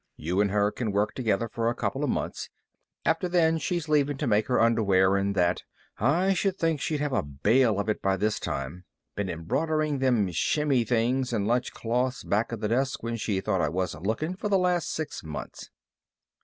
You and her can work together for a couple of months. After then she's leaving to make her underwear, and that. I should think she'd have a bale of it by this time. Been embroidering them shimmy things and lunch cloths back of the desk when she thought I wasn't lookin' for the last six months."